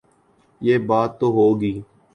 یہ بات تو ہو گئی۔